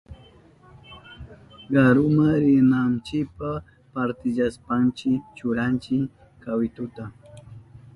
Karuma rinanchipa parantillashpanchi churanchi kawituta.